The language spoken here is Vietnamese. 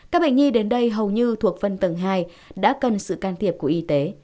các bệnh nhi đến đây hầu như thuộc phân tầng hai đã cần sự can thiệp của y tế